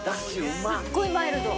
すっごいマイルド。